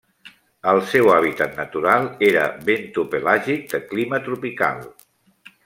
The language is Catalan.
El seu hàbitat natural era bentopelàgic de clima tropical.